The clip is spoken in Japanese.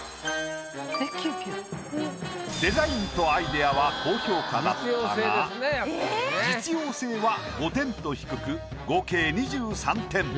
デザインとアイデアは高評価だったが実用性は５点と低く合計２３点。